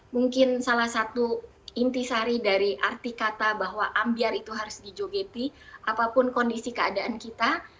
mungkin salah satu inti sari dari arti kata bahwa ambiar itu harus dijogeti apapun kondisi keadaan kita